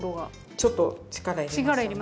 ちょっと力いりますよね。